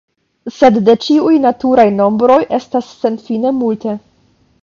Sed de ĉiuj naturaj nombroj estas senfine multe.